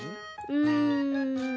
うん。